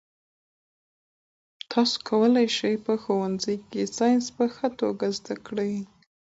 تاسي کولای شئ په ښوونځي کې ساینس په ښه توګه زده کړئ.